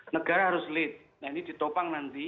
negara harus lead nah ini ditopang nanti